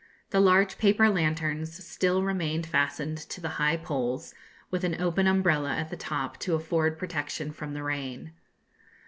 The large paper lanterns still remained fastened to the high poles, with an open umbrella at the top to afford protection from the rain.